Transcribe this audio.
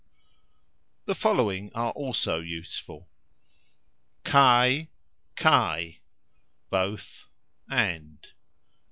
The following are also useful: kaj ... kaj : both ... and.